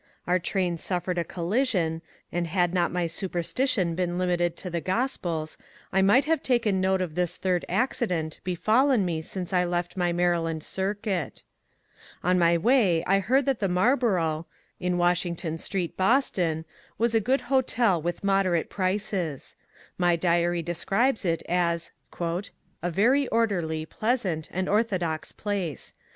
Our train suffered a collision, and had not my superstition been limited to the Gospels, I might have taken note of this third accident be fallen me since I left my Maryland circuit. On my way I heard that the Marlboro', in Washington Street, Boston, was a good hotel with moderate prices. My diary describes it as ^^ a very orderly, pleasant, and ortho dox place.